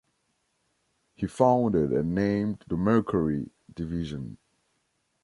He founded and named the Mercury division.